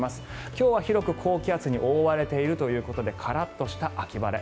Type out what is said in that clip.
今日は広く高気圧に覆われているということでカラッとした秋晴れ。